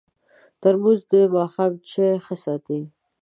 ترموز د ماښام چای ښه ساتي.